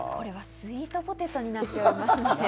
スイートポテトになっています。